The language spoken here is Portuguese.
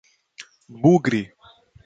Bugre